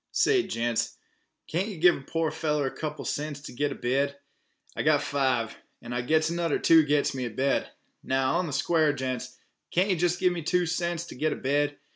"Say, gents, can't yeh give a poor feller a couple of cents t' git a bed? I got five, and I gits anudder two I gits me a bed. Now, on th' square, gents, can't yeh jest gimme two cents t' git a bed?